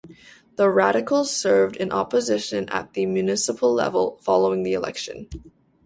The Radicals served in opposition at the municipal level following the election.